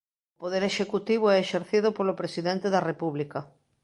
O poder executivo é exercido polo Presidente da República